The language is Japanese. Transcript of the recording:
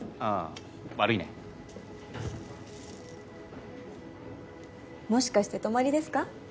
ああ悪いねもしかして泊まりですか？